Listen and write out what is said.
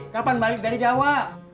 kapan balik dari jawa